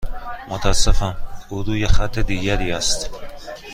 متاسفم، او روی خط دیگری است.